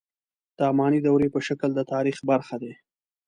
د اماني دورې په شکل د تاریخ برخه دي.